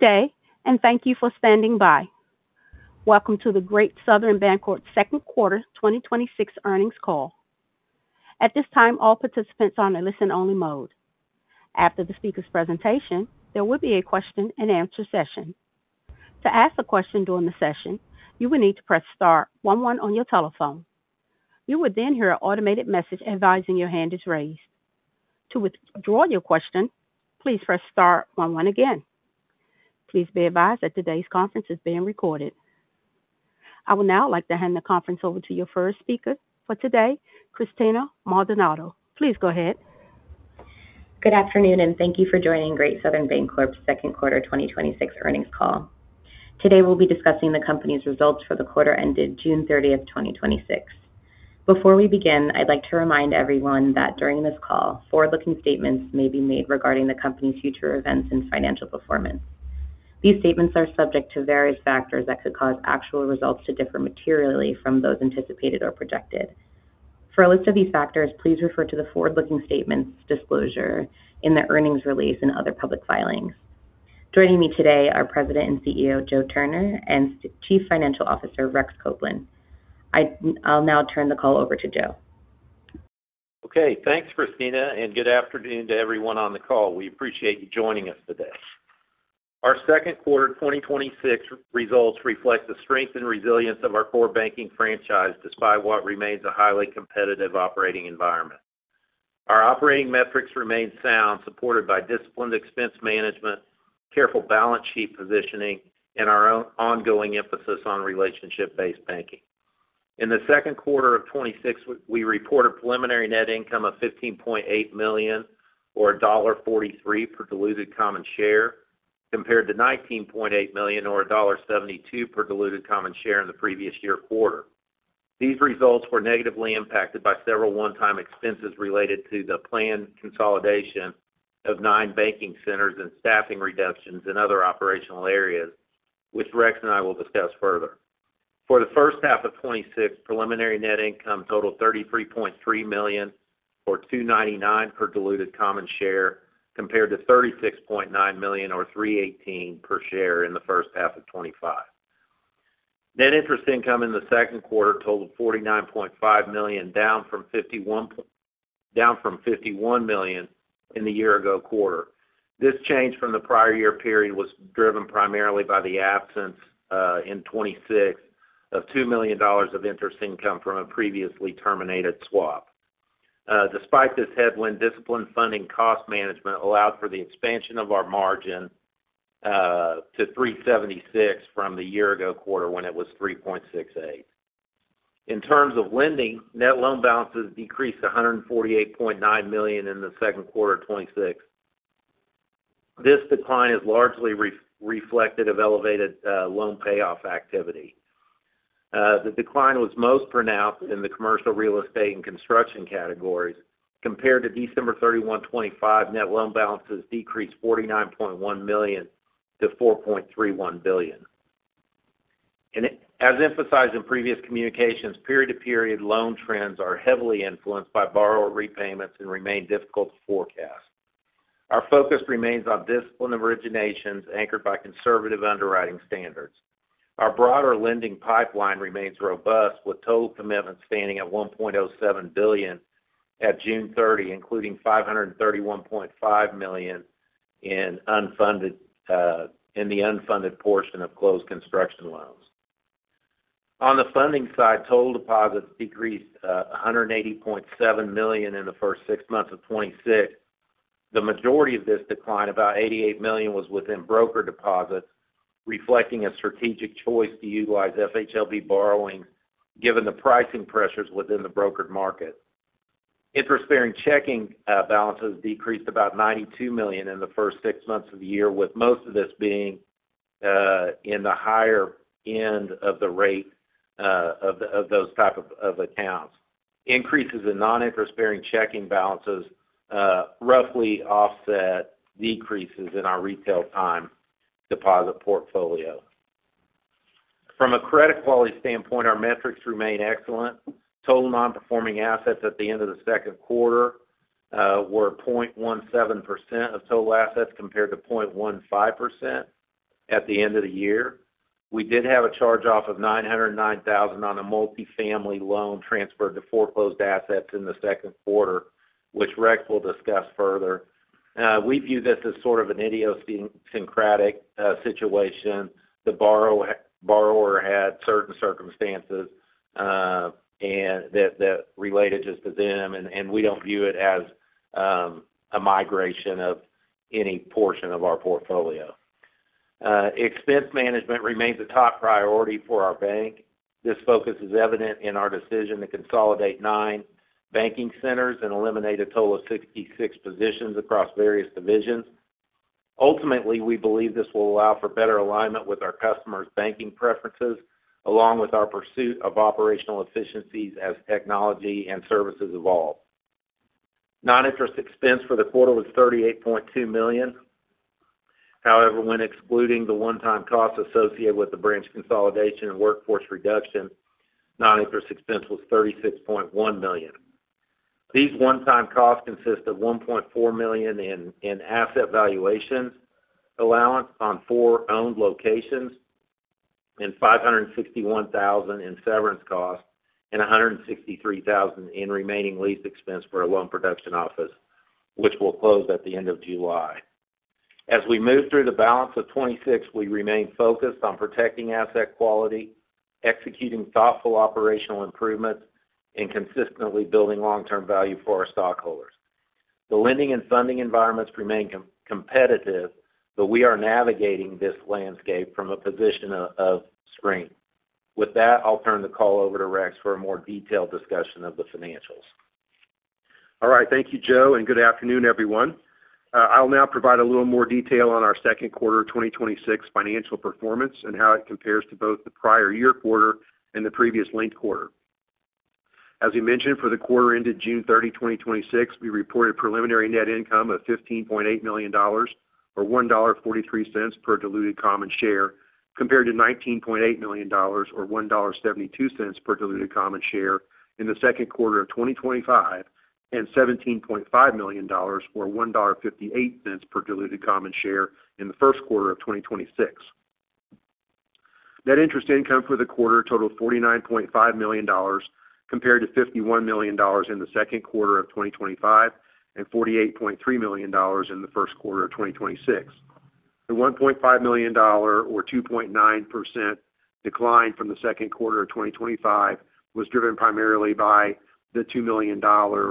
Day. Thank you for standing by. Welcome to the Great Southern Bancorp Second Quarter 2026 Earnings Call. At this time, all participants are on a listen-only mode. After the speaker's presentation, there will be a question and answer session. To ask a question during the session, you will need to press star one one on your telephone. You will then hear an automated message advising your hand is raised. To withdraw your question, please press star one one again. Please be advised that today's conference is being recorded. I would now like to hand the conference over to your first speaker for today, Christina Maldonado. Please go ahead. Good afternoon. Thank you for joining Great Southern Bancorp's Second Quarter 2026 Earnings Call. Today, we'll be discussing the company's results for the quarter ended June 30th, 2026. Before we begin, I'd like to remind everyone that during this call, forward-looking statements may be made regarding the company's future events and financial performance. These statements are subject to various factors that could cause actual results to differ materially from those anticipated or projected. For a list of these factors, please refer to the forward-looking statements disclosure in the earnings release and other public filings. Joining me today are President and CEO, Joe Turner, and Chief Financial Officer, Rex Copeland. I'll now turn the call over to Joe. Okay, thanks, Christina. Good afternoon to everyone on the call. We appreciate you joining us today. Our second quarter 2026 results reflect the strength and resilience of our core banking franchise, despite what remains a highly competitive operating environment. Our operating metrics remain sound, supported by disciplined expense management, careful balance sheet positioning, and our ongoing emphasis on relationship-based banking. In the second quarter of 2026, we report a preliminary net income of $15.8 million or $1.43 per diluted common share compared to $19.8 million or $1.72 per diluted common share in the previous year quarter. These results were negatively impacted by several one-time expenses related to the planned consolidation of nine banking centers and staffing reductions in other operational areas, which Rex and I will discuss further. For the first half of 2026, preliminary net income totaled $33.3 million or $2.99 per diluted common share compared to $36.9 million or $3.18 per share in the first half of 2025. Net interest income in the second quarter totaled $49.5 million, down from $51 million in the year ago quarter. This change from the prior year period was driven primarily by the absence, in 2026, of $2 million of interest income from a previously terminated swap. Despite this headwind, disciplined funding cost management allowed for the expansion of our net interest margin to 3.76% from the year ago quarter when it was 3.68%. In terms of lending, net loan balances decreased $148.9 million in the second quarter of 2026. This decline is largely reflective of elevated loan payoff activity. The decline was most pronounced in the commercial real estate and construction categories. Compared to December 31, 2025, net loan balances decreased $49.1 million to $4.31 billion. As emphasized in previous communications, period to period loan trends are heavily influenced by borrower repayments and remain difficult to forecast. Our focus remains on disciplined originations anchored by conservative underwriting standards. Our broader lending pipeline remains robust, with total commitments standing at $1.07 billion at June 30, including $531.5 million in the unfunded portion of closed construction loans. On the funding side, total deposits decreased $180.7 million in the first six months of 2026. The majority of this decline, about $88 million, was within broker deposits, reflecting a strategic choice to utilize FHLB borrowing given the pricing pressures within the brokered market. Interest-bearing checking balances decreased about $92 million in the first six months of the year, with most of this being in the higher end of the rate of those type of accounts. Increases in non-interest-bearing checking balances roughly offset decreases in our retail time deposit portfolio. From a credit quality standpoint, our metrics remain excellent. Total non-performing assets at the end of the second quarter were 0.17% of total assets compared to 0.15% at the end of the year. We did have a charge-off of $909,000 on a multifamily loan transferred to foreclosed assets in the second quarter, which Rex will discuss further. We view this as sort of an idiosyncratic situation. The borrower had certain circumstances that related just to them, and we don't view it as a migration of any portion of our portfolio. Expense management remains a top priority for our bank. This focus is evident in our decision to consolidate nine banking centers and eliminate a total of 66 positions across various divisions. Ultimately, we believe this will allow for better alignment with our customers' banking preferences, along with our pursuit of operational efficiencies as technology and services evolve. Non-interest expense for the quarter was $38.2 million. However, when excluding the one-time costs associated with the branch consolidation and workforce reduction, non-interest expense was $36.1 million. These one-time costs consist of $1.4 million in asset valuations allowance on four owned locations, and $561,000 in severance costs, and $163,000 in remaining lease expense for a loan production office, which will close at the end of July. As we move through the balance of 2026, we remain focused on protecting asset quality, executing thoughtful operational improvements, and consistently building long-term value for our stockholders. The lending and funding environments remain competitive, but we are navigating this landscape from a position of strength. With that, I'll turn the call over to Rex for a more detailed discussion of the financials. All right. Thank you, Joe. Good afternoon, everyone. I'll now provide a little more detail on our second quarter 2026 financial performance and how it compares to both the prior year quarter and the previous linked quarter. As we mentioned, for the quarter ended June 30, 2026, we reported preliminary net income of $15.8 million, or $1.43 per diluted common share, compared to $19.8 million, or $1.72 per diluted common share in the second quarter of 2025, and $17.5 million, or $1.58 per diluted common share in the first quarter of 2026. Net interest income for the quarter totaled $49.5 million, compared to $51 million in the second quarter of 2025 and $48.3 million in the first quarter of 2026. The $1.5 million, or 2.9%, decline from the second quarter of 2025 was driven primarily by the $2 million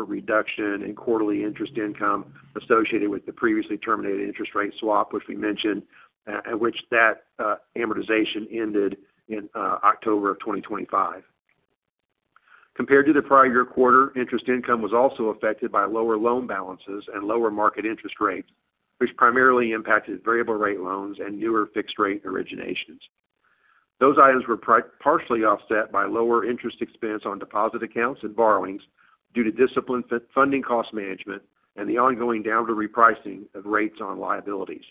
reduction in quarterly interest income associated with the previously terminated interest rate swap, which we mentioned, which that amortization ended in October of 2025. Compared to the prior year quarter, interest income was also affected by lower loan balances and lower market interest rates, which primarily impacted variable rate loans and newer fixed rate originations. Those items were partially offset by lower interest expense on deposit accounts and borrowings due to disciplined funding cost management and the ongoing downward repricing of rates on liabilities.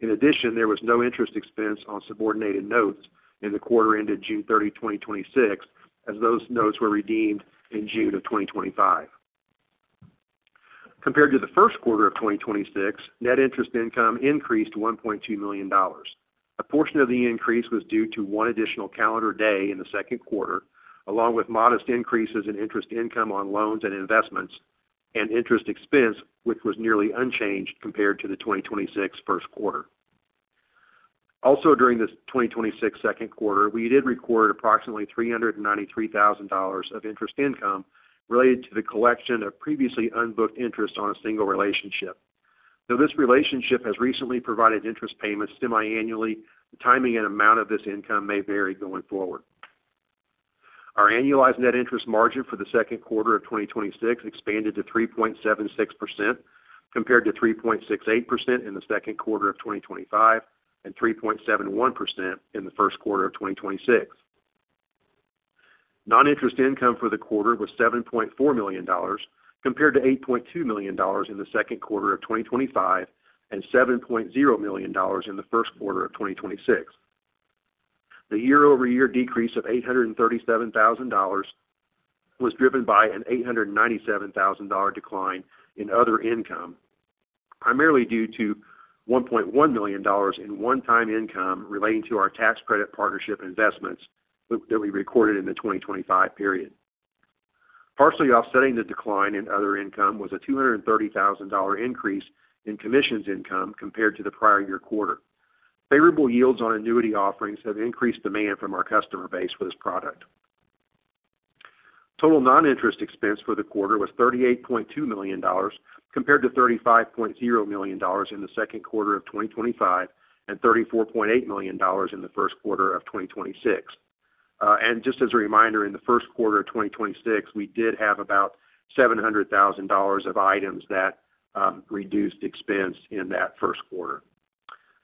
In addition, there was no interest expense on subordinated notes in the quarter ended June 30, 2026, as those notes were redeemed in June of 2025. Compared to the first quarter of 2026, net interest income increased to $1.2 million. A portion of the increase was due to one additional calendar day in the second quarter, along with modest increases in interest income on loans and investments and interest expense, which was nearly unchanged compared to the 2026 first quarter. Also, during the 2026 second quarter, we did record approximately $393,000 of interest income related to the collection of previously unbooked interest on a single relationship. Though this relationship has recently provided interest payments semi-annually, the timing and amount of this income may vary going forward. Our annualized net interest margin for the second quarter of 2026 expanded to 3.76%, compared to 3.68% in the second quarter of 2025 and 3.71% in the first quarter of 2026. Non-interest income for the quarter was $7.4 million, compared to $8.2 million in the second quarter of 2025 and $7.0 million in the first quarter of 2026. The year-over-year decrease of $837,000 was driven by an $897,000 decline in other income, primarily due to $1.1 million in one-time income relating to our tax credit partnership investments that we recorded in the 2025 period. Partially offsetting the decline in other income was a $230,000 increase in commissions income compared to the prior year quarter. Favorable yields on annuity offerings have increased demand from our customer base for this product. Total non-interest expense for the quarter was $38.2 million, compared to $35.0 million in the second quarter of 2025 and $34.8 million in the first quarter of 2026. Just as a reminder, in the first quarter of 2026, we did have about $700,000 of items that reduced expense in that first quarter.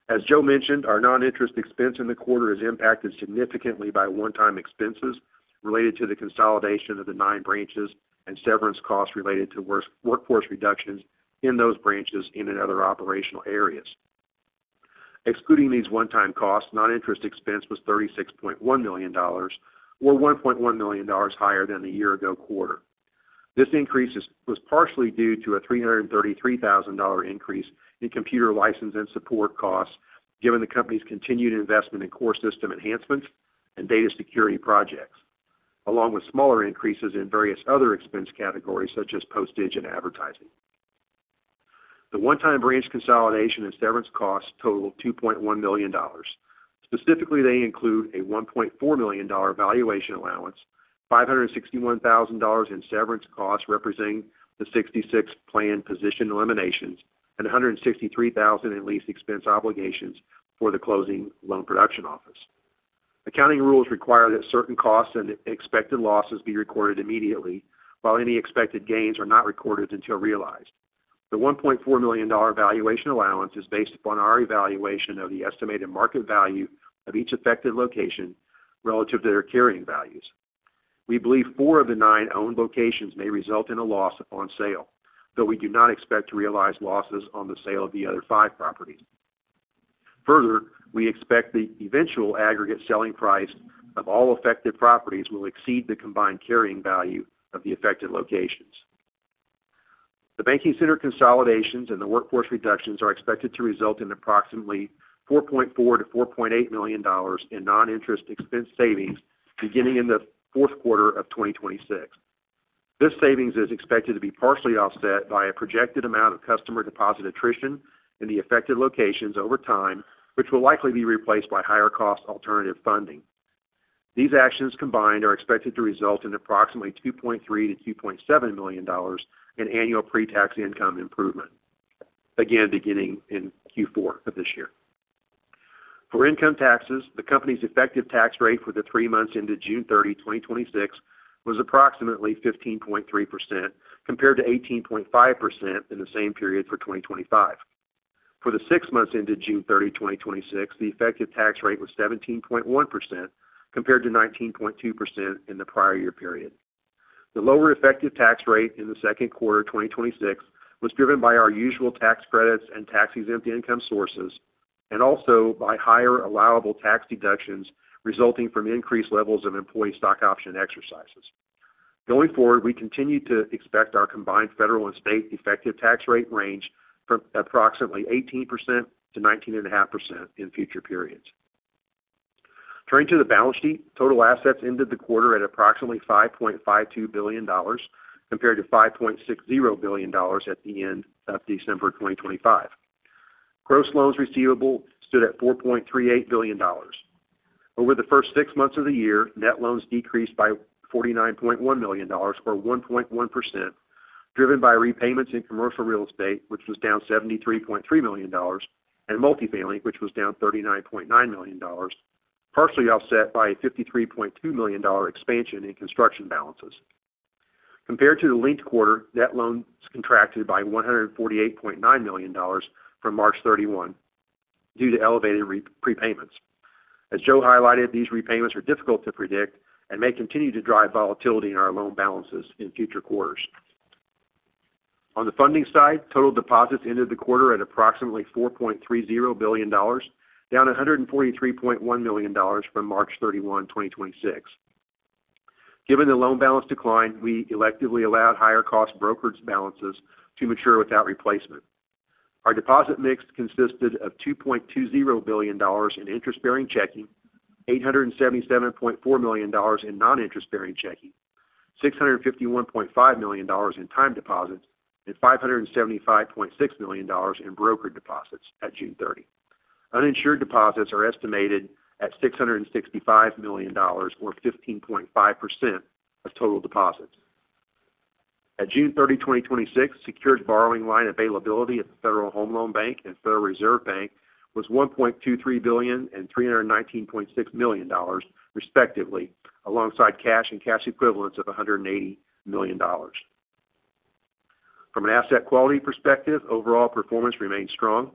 As Joe mentioned, our non-interest expense in the quarter is impacted significantly by one-time expenses related to the consolidation of the nine branches and severance costs related to workforce reductions in those branches and in other operational areas. Excluding these one-time costs, non-interest expense was $36.1 million, or $1.1 million higher than the year-ago quarter. This increase was partially due to a $333,000 increase in computer license and support costs given the company's continued investment in core system enhancements and data security projects, along with smaller increases in various other expense categories such as postage and advertising. The one-time branch consolidation and severance costs totaled $2.1 million. Specifically, they include a $1.4 million valuation allowance, $561,000 in severance costs representing the 66 planned position eliminations, and $163,000 in lease expense obligations for the closing loan production office. Accounting rules require that certain costs and expected losses be recorded immediately, while any expected gains are not recorded until realized. The $1.4 million valuation allowance is based upon our evaluation of the estimated market value of each affected location relative to their carrying values. We believe four of the nine owned locations may result in a loss on sale, though we do not expect to realize losses on the sale of the other five properties. We expect the eventual aggregate selling price of all affected properties will exceed the combined carrying value of the affected locations. The banking center consolidations and the workforce reductions are expected to result in approximately $4.4 million-$4.8 million in non-interest expense savings beginning in the fourth quarter of 2026. This savings is expected to be partially offset by a projected amount of customer deposit attrition in the affected locations over time, which will likely be replaced by higher cost alternative funding. These actions combined are expected to result in approximately $2.3 million-$2.7 million in annual pre-tax income improvement, again, beginning in Q4 of this year. For income taxes, the company's effective tax rate for the three months ended June 30, 2026, was approximately 15.3% compared to 18.5% in the same period for 2025. For the six months ended June 30, 2026, the effective tax rate was 17.1% compared to 19.2% in the prior year period. The lower effective tax rate in the second quarter 2026 was driven by our usual tax credits and tax-exempt income sources, and also by higher allowable tax deductions resulting from increased levels of employee stock option exercises. Going forward, we continue to expect our combined federal and state effective tax rate range from approximately 18%-19.5% in future periods. Turning to the balance sheet, total assets ended the quarter at approximately $5.52 billion, compared to $5.60 billion at the end of December 2025. Gross loans receivable stood at $4.38 billion. Over the first six months of the year, net loans decreased by $49.1 million, or 1.1%, driven by repayments in commercial real estate, which was down $73.3 million, and multifamily, which was down $39.9 million, partially offset by a $53.2 million expansion in construction balances. Compared to the linked quarter, net loans contracted by $148.9 million from March 31 due to elevated prepayments. As Joe highlighted, these repayments are difficult to predict and may continue to drive volatility in our loan balances in future quarters. On the funding side, total deposits ended the quarter at approximately $4.30 billion, down $143.1 million from March 31, 2026. Given the loan balance decline, we electively allowed higher cost brokerage balances to mature without replacement. Our deposit mix consisted of $2.20 billion in interest-bearing checking, $877.4 million in non-interest-bearing checking, $651.5 million in time deposits, and $575.6 million in brokered deposits at June 30. Uninsured deposits are estimated at $665 million, or 15.5% of total deposits. At June 30, 2026, secured borrowing line availability at the Federal Home Loan Bank and Federal Reserve Bank was $1.23 billion and $319.6 million respectively, alongside cash and cash equivalents of $180 million. From an asset quality perspective, overall performance remained strong.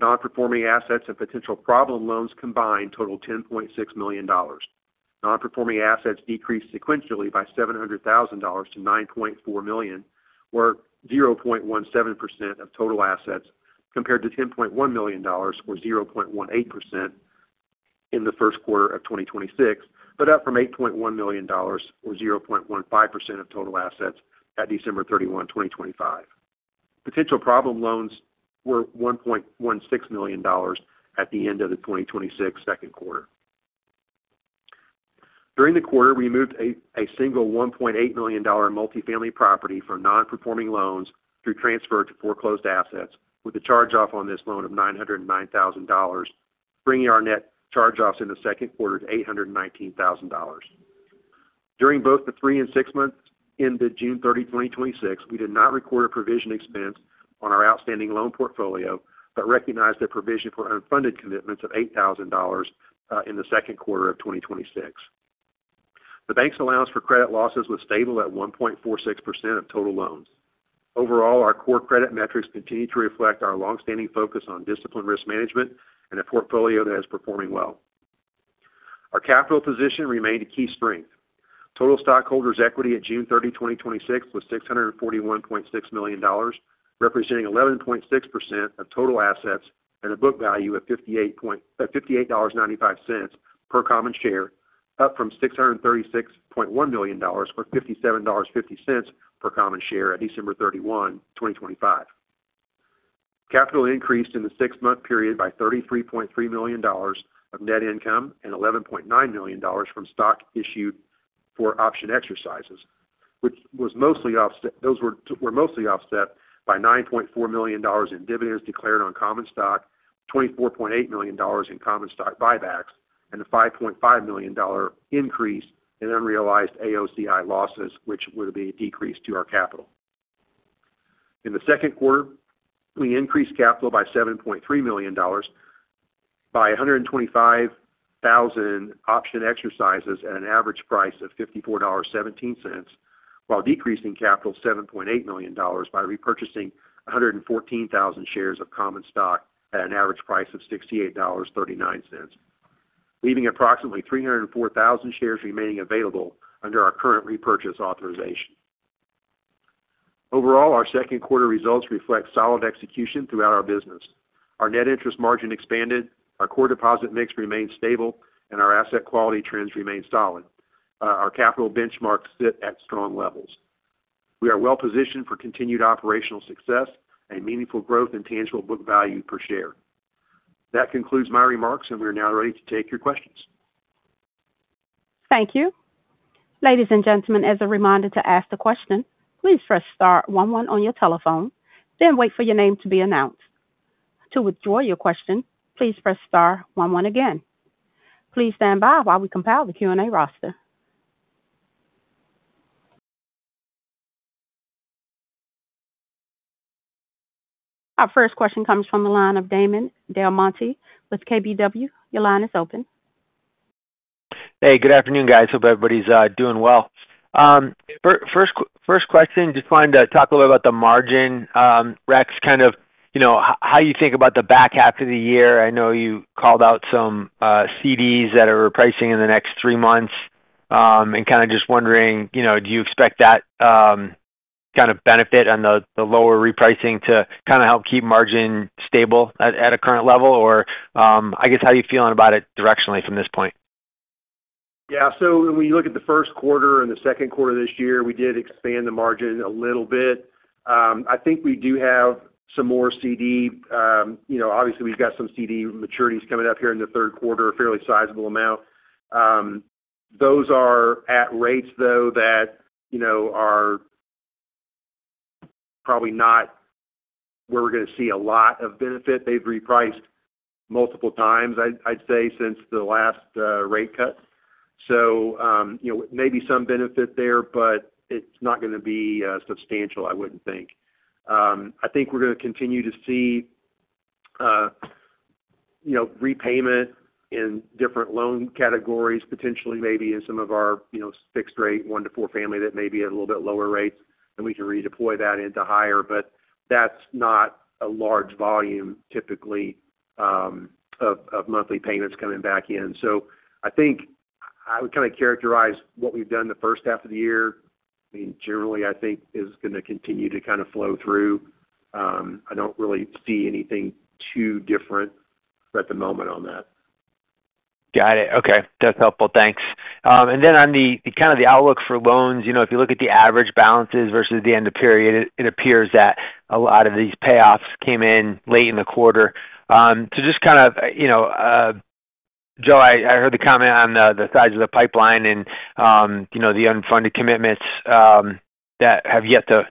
Non-performing assets and potential problem loans combined total $10.6 million. Non-performing assets decreased sequentially by $700,000 to $9.4 million, or 0.17% of total assets, compared to $10.1 million, or 0.18% in the first quarter of 2026, but up from $8.1 million, or 0.15% of total assets at December 31, 2025. Potential problem loans were $1.16 million at the end of the 2026 second quarter. During the quarter, we moved a single $1.8 million multifamily property from non-performing loans through transfer to foreclosed assets with a charge-off on this loan of $909,000, bringing our net charge-offs in the second quarter to $819,000. During both the three and six months ended June 30, 2026, we did not record a provision expense on our outstanding loan portfolio, but recognized a provision for unfunded commitments of $8,000 in the second quarter of 2026. The bank's allowance for credit losses was stable at 1.46% of total loans. Overall, our core credit metrics continue to reflect our longstanding focus on disciplined risk management and a portfolio that is performing well. Our capital position remained a key strength. Total stockholders' equity at June 30, 2026, was $641.6 million, representing 11.6% of total assets and a book value of $58.95 per common share, up from $636.1 million, or $57.50 per common share at December 31, 2025. Capital increased in the six-month period by $33.3 million of net income and $11.9 million from stock issued for option exercises. Those were mostly offset by $9.4 million in dividends declared on common stock, $24.8 million in common stock buybacks, and a $5.5 million increase in unrealized AOCI losses, which would be a decrease to our capital. In the second quarter, we increased capital by $7.3 million by 125,000 option exercises at an average price of $54.17, while decreasing capital $7.8 million by repurchasing 114,000 shares of common stock at an average price of $68.39, leaving approximately 304,000 shares remaining available under our current repurchase authorization. Overall, our second quarter results reflect solid execution throughout our business. Our net interest margin expanded, our core deposit mix remained stable, and our asset quality trends remained solid. Our capital benchmarks sit at strong levels. We are well-positioned for continued operational success and meaningful growth in tangible book value per share. That concludes my remarks, and we're now ready to take your questions. Thank you. Ladies and gentlemen, as a reminder to ask the question, please press star one one on your telephone, then wait for your name to be announced. To withdraw your question, please press star one one again. Please stand by while we compile the Q&A roster. Our first question comes from the line of Damon DelMonte with KBW. Your line is open. Hey, good afternoon, guys. Hope everybody's doing well. First question, just wanted to talk a little about the margin, Rex, how you think about the back half of the year. I know you called out some CDs that are repricing in the next three months. Kind of just wondering, do you expect that kind of benefit on the lower repricing to kind of help keep margin stable at a current level? I guess, how are you feeling about it directionally from this point? Yeah. When you look at the first quarter and the second quarter this year, we did expand the margin a little bit. I think we do have some more CD maturities coming up here in the third quarter, a fairly sizable amount. Those are at rates, though, that are probably not where we're going to see a lot of benefit. They've repriced multiple times, I'd say, since the last rate cut. Maybe some benefit there, it's not going to be substantial, I wouldn't think. I think we're going to continue to see repayment in different loan categories, potentially maybe in some of our fixed rate one to four family that may be at a little bit lower rates, and we can redeploy that into higher. That's not a large volume typically of monthly payments coming back in. I think I would kind of characterize what we've done the first half of the year, generally, I think, is going to continue to kind of flow through. I don't really see anything too different at the moment on that. Got it. Okay. That's helpful. Thanks. On the kind of the outlook for loans, if you look at the average balances versus the end of period, it appears that a lot of these payoffs came in late in the quarter. Just kind of, Joe, I heard the comment on the size of the pipeline and the unfunded commitments that have yet to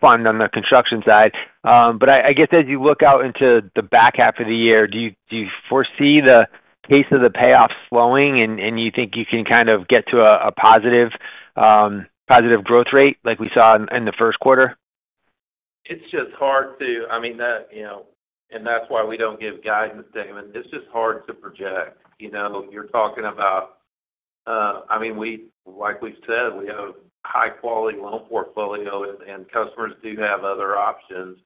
fund on the construction side. I guess as you look out into the back half of the year, do you foresee the pace of the payoffs slowing, and you think you can kind of get to a positive growth rate like we saw in the first quarter? That's why we don't give guidance, Damon. It's just hard to project. You're talking about, like we've said, we have a high-quality loan portfolio, and customers do have other options.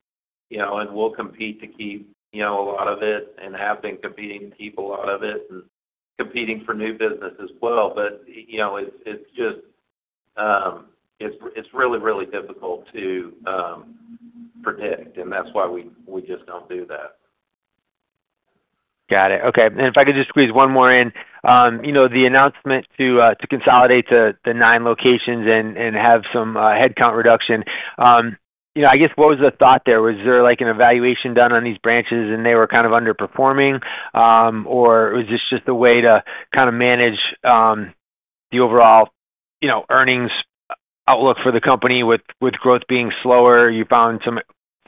We'll compete to keep a lot of it and have been competing to keep a lot of it and competing for new business as well. It's really, really difficult to predict, and that's why we just don't do that. Got it. Okay. If I could just squeeze one more in. The announcement to consolidate the nine locations and have some headcount reduction. I guess what was the thought there? Was there like an evaluation done on these branches and they were kind of underperforming? Was this just a way to kind of manage the overall earnings outlook for the company with growth being slower, you found some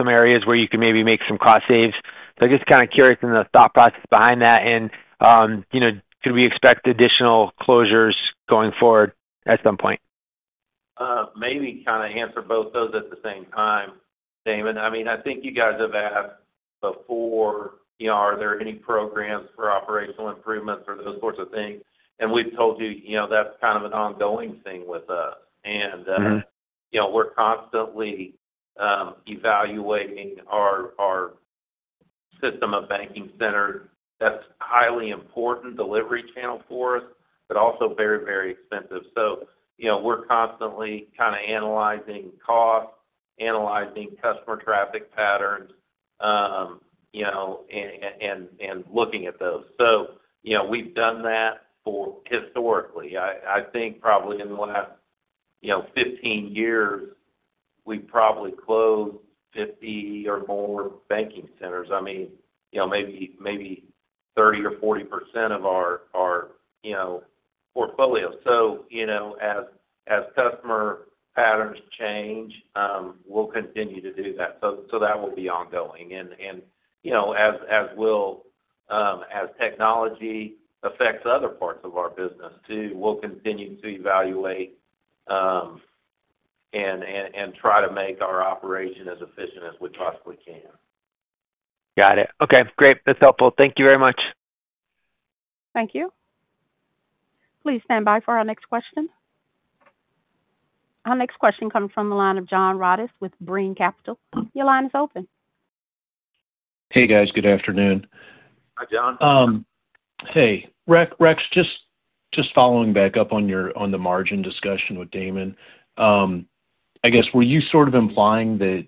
areas where you could maybe make some cost saves? I'm just kind of curious in the thought process behind that and, could we expect additional closures going forward at some point? Maybe kind of answer both those at the same time, Damon. I think you guys have asked before, are there any programs for operational improvements or those sorts of things, we've told you that's kind of an ongoing thing with us. We're constantly evaluating our system of banking centers. That's a highly important delivery channel for us, but also very, very expensive. We're constantly kind of analyzing costs, analyzing customer traffic patterns, and looking at those. We've done that historically. I think probably in the last 15 years, we've probably closed 50 or more banking centers. Maybe 30% or 40% of our portfolio. As customer patterns change, we'll continue to do that. That will be ongoing. As technology affects other parts of our business too, we'll continue to evaluate and try to make our operation as efficient as we possibly can. Got it. Okay, great. That's helpful. Thank you very much. Thank you. Please stand by for our next question. Our next question comes from the line of John Rodis with Brean Capital. Your line is open. Hey guys, good afternoon. Hi, John. Hey. Rex, just following back up on the margin discussion with Damon. I guess, were you sort of implying that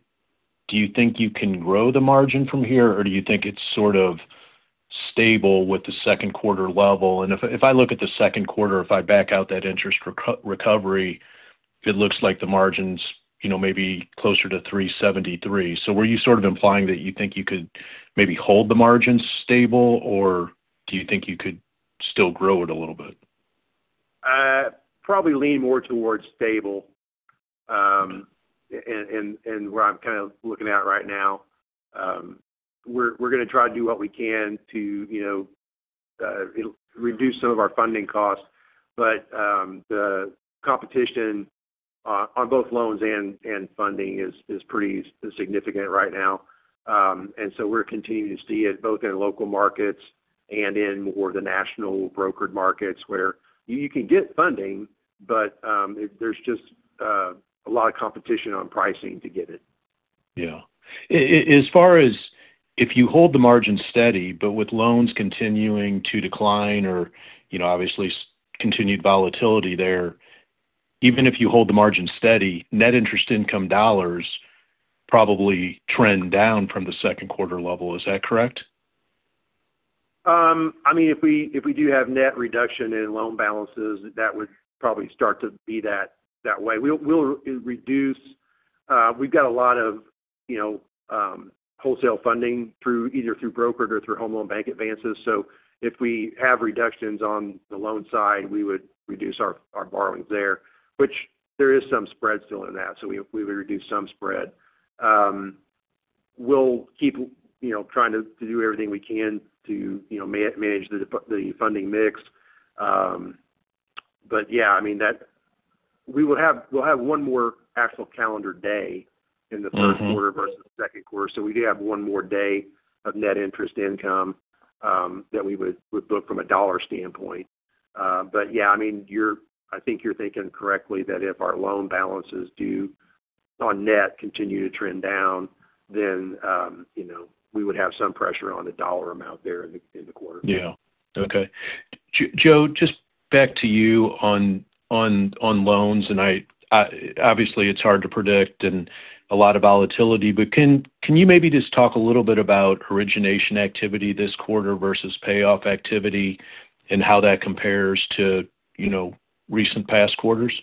do you think you can grow the margin from here, or do you think it's sort of stable with the second quarter level? If I look at the second quarter, if I back out that interest recovery, it looks like the margin's maybe closer to 373. Were you sort of implying that you think you could maybe hold the margin stable, or do you think you could still grow it a little bit? Probably lean more towards stable, where I'm kind of looking at right now. We're going to try to do what we can to reduce some of our funding costs. The competition on both loans and funding is pretty significant right now. We're continuing to see it both in local markets and in more of the national brokered markets, where you can get funding, but there's just a lot of competition on pricing to get it. Yeah. As far as if you hold the margin steady, but with loans continuing to decline or obviously continued volatility there, even if you hold the margin steady, net interest income dollars probably trend down from the second quarter level. Is that correct? If we do have net reduction in loan balances, that would probably start to be that way. We've got a lot of wholesale funding either through brokered or through Home Loan Bank advances. If we have reductions on the loan side, we would reduce our borrowings there, which there is some spread still in that, so we would reduce some spread. We'll keep trying to do everything we can to manage the funding mix. Yeah, we'll have one more actual calendar day in the first quarter versus the second quarter. We do have one more day of net interest income that we would book from a dollar standpoint. Yeah, I think you're thinking correctly, that if our loan balances on net continue to trend down, then we would have some pressure on the dollar amount there in the quarter. Yeah. Okay. Joe, just back to you on loans, and obviously it's hard to predict and a lot of volatility, but can you maybe just talk a little bit about origination activity this quarter versus payoff activity, and how that compares to recent past quarters?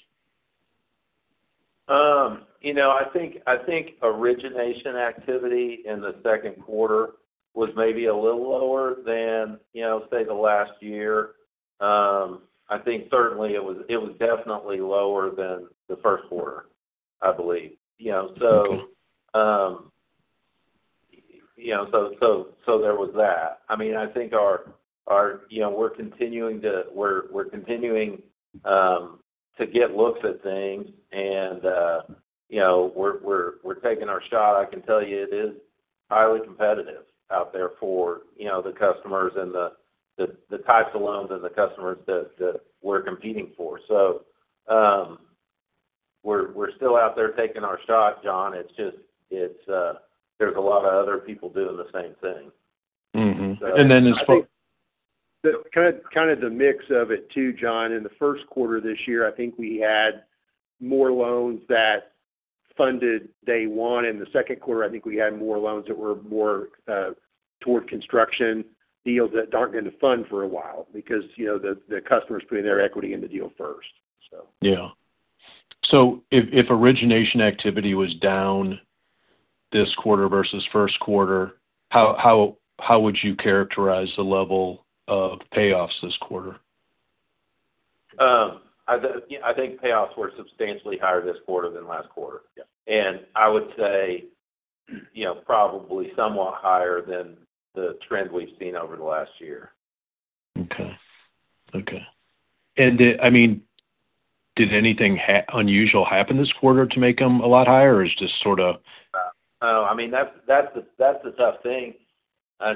I think origination activity in the second quarter was maybe a little lower than, say, the last year. I think certainly it was definitely lower than the first quarter, I believe. Okay. There was that. I think we're continuing to get looks at things, and we're taking our shot. I can tell you it is highly competitive out there for the customers and the types of loans and the customers that we're competing for. We're still out there taking our shot, John. It's just there's a lot of other people doing the same thing. Mm-hmm. As far- Kind of the mix of it too, John, in the first quarter this year, I think we had more loans that funded day one. In the second quarter, I think we had more loans that were more toward construction deals that aren't going to fund for a while because the customer's putting their equity in the deal first. Yeah. If origination activity was down this quarter versus first quarter, how would you characterize the level of payoffs this quarter? I think payoffs were substantially higher this quarter than last quarter. Yeah. I would say probably somewhat higher than the trend we've seen over the last year. Okay. Did anything unusual happen this quarter to make them a lot higher, or is this sort of? That's the tough thing,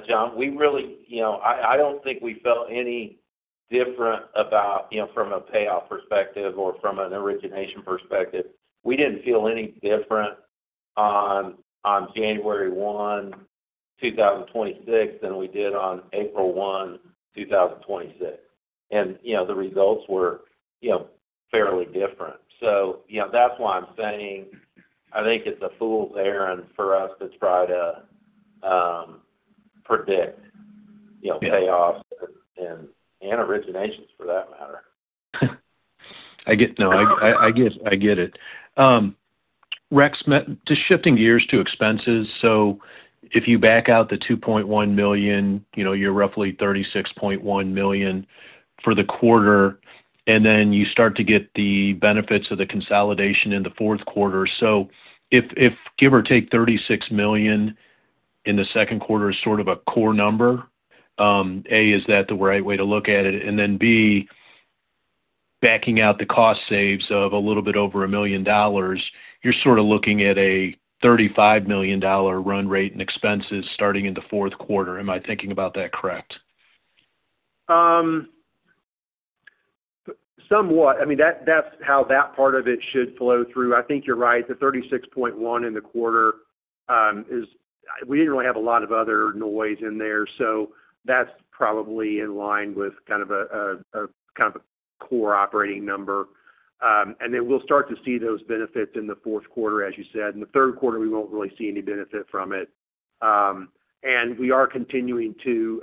John. I don't think we felt any different from a payoff perspective or from an origination perspective. We didn't feel any different on January 1, 2026 than we did on April 1, 2026. The results were fairly different. That's why I'm saying, I think it's a fool's errand for us to try to predict payoffs, and originations for that matter. No, I get it. Rex, just shifting gears to expenses. If you back out the $2.1 million, you're roughly $36.1 million for the quarter, and then you start to get the benefits of the consolidation in the fourth quarter. If give or take $36 million in the second quarter is sort of a core number, A, is that the right way to look at it? B, backing out the cost saves of a little bit over $1 million, you're sort of looking at a $35 million run rate in expenses starting in the fourth quarter. Am I thinking about that correct? Somewhat. That's how that part of it should flow through. I think you're right. The $36.1 million in the quarter is, we didn't really have a lot of other noise in there. That's probably in line with kind of a core operating number. We'll start to see those benefits in the fourth quarter, as you said. In the third quarter, we won't really see any benefit from it. We are continuing to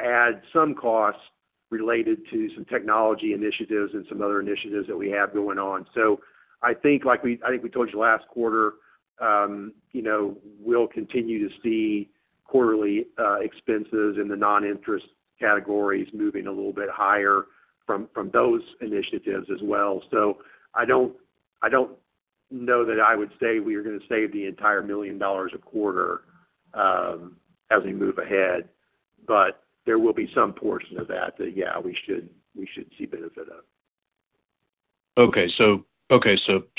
add some costs related to some technology initiatives and some other initiatives that we have going on. I think we told you last quarter, we'll continue to see quarterly expenses in the non-interest categories moving a little bit higher from those initiatives as well. I don't know that I would say we are going to save the entire $1 million a quarter as we move ahead, but there will be some portion of that, yeah, we should see benefit of. Okay.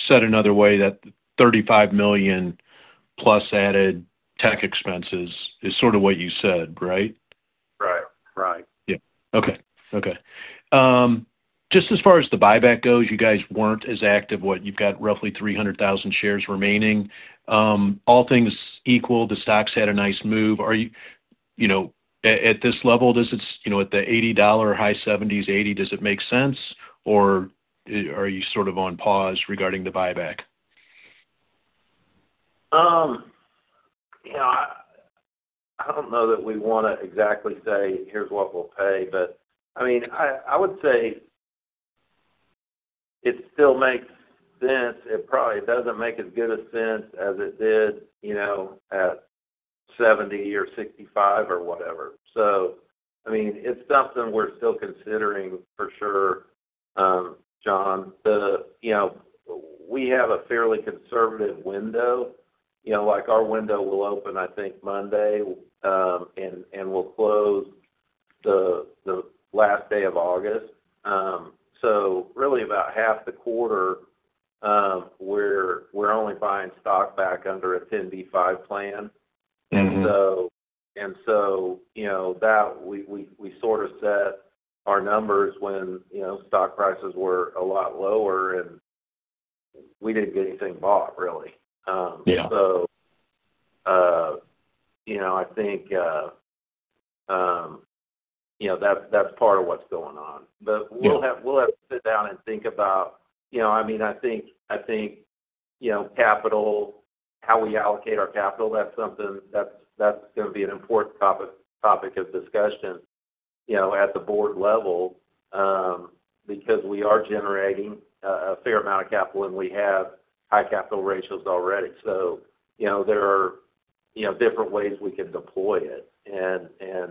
Said another way, that $35 million plus added tech expenses is sort of what you said, right? Right. Yeah. Okay. Just as far as the buyback goes, you guys weren't as active. What, you've got roughly 300,000 shares remaining. All things equal, the stock's had a nice move. At this level, at the $80, high 70s, 80, does it make sense, or are you sort of on pause regarding the buyback? I don't know that we want to exactly say, "Here's what we'll pay." I would say it still makes sense. It probably doesn't make as good a sense as it did at 70 or 65 or whatever. It's something we're still considering for sure, John. We have a fairly conservative window. Our window will open, I think, Monday, and will close the last day of August. Really about half the quarter, we're only buying stock back under a 10b5 plan. We sort of set our numbers when stock prices were a lot lower, and we didn't get anything bought, really. Yeah. I think that's part of what's going on. We'll have to sit down and think about I think how we allocate our capital, that's going to be an important topic of discussion at the board level, because we are generating a fair amount of capital, and we have high capital ratios already. There are different ways we can deploy it, and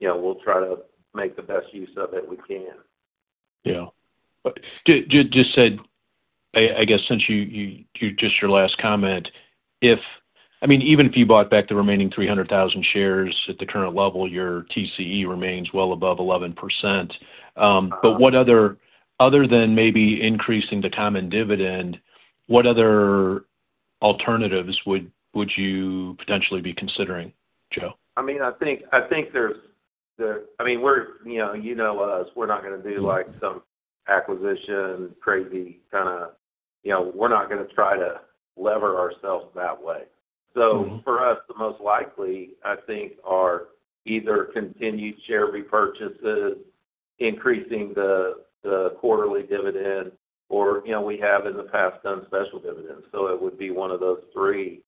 we'll try to make the best use of it we can. Yeah. I guess since you, just your last comment. Even if you bought back the remaining 300,000 shares at the current level, your TCE remains well above 11%. Other than maybe increasing the common dividend, what other alternatives would you potentially be considering, Joe? You know us, we're not going to do some acquisition. We're not going to try to lever ourselves that way. For us, the most likely, I think, are either continued share repurchases, increasing the quarterly dividend, or we have in the past done special dividends. It would be one of those three,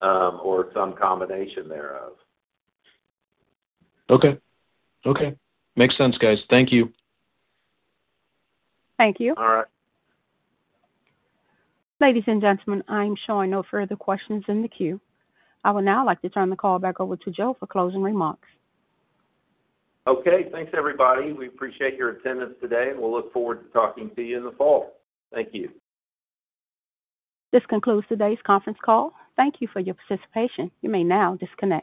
or some combination thereof. Okay. Makes sense, guys. Thank you. Thank you. All right. Ladies and gentlemen, I am showing no further questions in the queue. I would now like to turn the call back over to Joe for closing remarks. Okay. Thanks, everybody. We appreciate your attendance today. We'll look forward to talking to you in the fall. Thank you. This concludes today's conference call. Thank you for your participation. You may now disconnect.